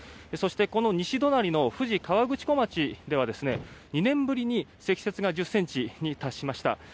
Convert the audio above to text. そして、この西隣の富士河口湖町では２年ぶりに積雪が１０ｃｍに達しました。